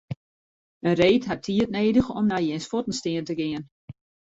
In reed hat tiid nedich om nei jins fuotten stean te gean.